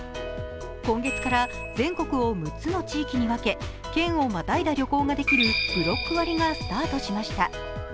今月から全国を６つの地域に分け、県をまたいだ旅行ができるブロック割がスタートしました。